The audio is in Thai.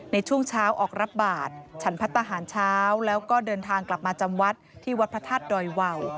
ในช่วงเช้าออกรับบาทฉันพัฒนาหารเช้าแล้วก็เดินทางกลับมาจำวัดที่วัดพระธาตุดอยวาว